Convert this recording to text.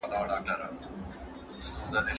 ¬ د ړانده او گونگي ترمنځ جنگ نه پېښېږي.